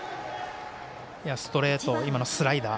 ストレートそして今のスライダー。